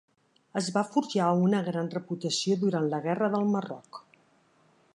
Es va forjar una gran reputació durant la guerra del Marroc.